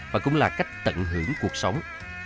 và cũng là cách tận hưởng cuộc sống